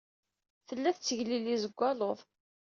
Tella tettegliliz deg waluḍ.